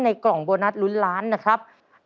กล่องโบนัสลุ้นล้านนะครับ